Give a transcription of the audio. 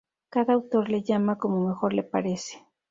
Cada autor le llama como mejor le parece.